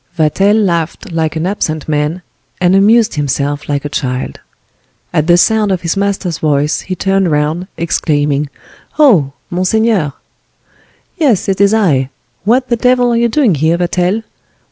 Vatel laughed like an absent man, and amused himself like a child. At the sound of his master's voice he turned round, exclaiming: "Oh! monseigneur!" "Yes, it is I. What the devil are you doing here, Vatel?